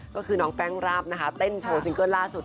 ก็คือน้องแป้งราบนะคะเต้นโชว์ซิงเกิ้ลล่าสุด